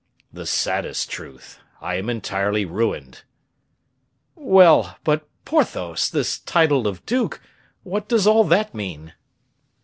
"The saddest truth. I am entirely ruined." "Well, but Porthos this title of duke what does all that mean?"